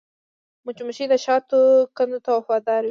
مچمچۍ د شاتو کندو ته وفاداره وي